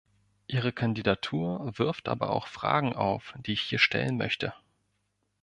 Ihre Kandidatur wirft aber auch Fragen auf, die ich hier stellen möchte.